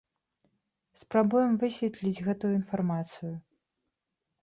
Спрабуем высветліць гэтую інфармацыю.